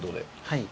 はい。